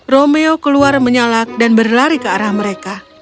romeo keluar menyalak dan berlari ke arah mereka